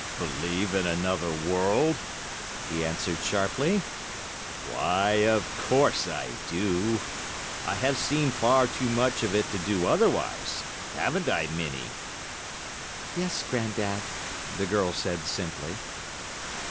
"Believe in another world?" he answered sharply, "why, of course I do. I have seen far too much of it to do otherwise, haven't I, Minnie?" "Yes, Grandad," the girl said simply.